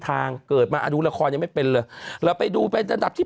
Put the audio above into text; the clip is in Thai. เกิดมาดูละครยังไม่เป็นเลยเราไปดูเป็นระดับที่